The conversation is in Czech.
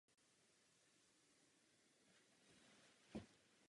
Odstěhoval se do Londýna zde se věnoval literární činnosti.